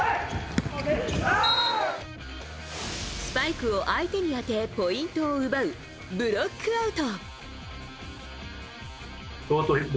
スパイクを相手に当てポイントを奪うブロックアウト。